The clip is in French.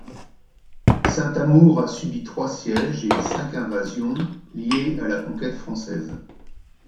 Saint Amour a subi trois sièges et cinq invasions liées à la conquête française.